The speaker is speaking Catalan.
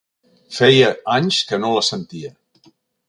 Feia anys que no la sentia.